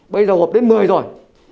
bây giờ gộp đến một mươi rồi